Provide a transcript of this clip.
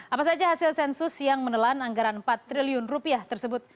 apa saja hasil sensus yang menelan anggaran empat triliun rupiah tersebut